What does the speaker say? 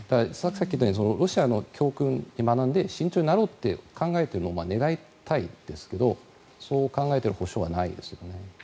さっき言ったようにロシアの教訓に学んで慎重になろうと考えていると願いたいですけどそう考えている保証はないです。